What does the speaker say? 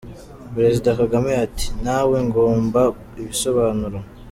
Perezida Kagame ati �?ntawe ngomba ibisobanuro’.